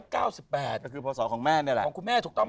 ก็คือพศของแม่นี่แหละของคุณแม่ถูกต้องไหม